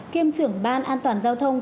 kiêm trưởng ban an toàn giao thông